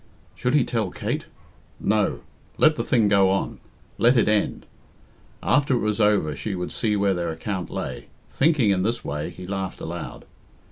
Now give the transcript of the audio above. Should he tell Kate? No! Let the thing go on; let it end. After it was over she would see where their account lay. Thinking in this way, he laughed aloud.